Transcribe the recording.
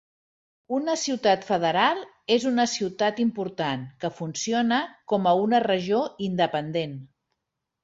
Una ciutat federal és una ciutat important que funciona com a una regió independent.